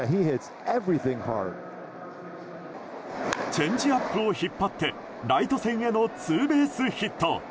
チェンジアップを引っ張ってライト線へのツーベースヒット。